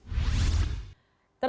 timnas u sembilan belas dan timnas senior